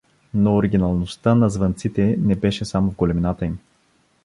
Но оригиналността на звънците не беше само в големината им.